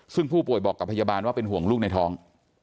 ซึ่งผู้ป่วยบอกกับพยาบาลว่าเป็นห่วงลูกในท้อง